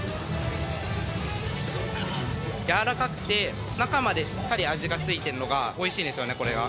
柔らかくて、中までしっかり味がついてるのがおいしいですよね、これは。